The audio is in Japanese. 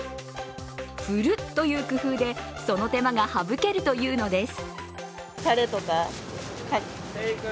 振るという工夫でその手間が省けるというのです。